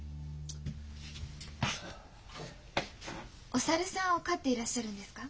お猿さんを飼っていらっしゃるんですか？